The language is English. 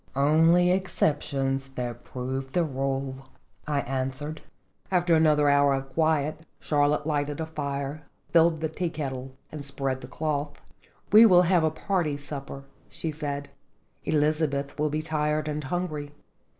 "Only exceptions that prove the rule," I answered 36 Qingeir JHotljs. After another hour of quiet, Charlotte lighted a fire, filled the tea kettle, and spread the cloth. " We will have a party supper," she said. "Elizabeth will be tired and hungry.